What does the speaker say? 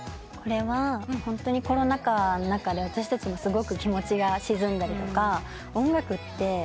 これはホントにコロナ禍の中で私たちもすごく気持ちが沈んだりとか音楽って。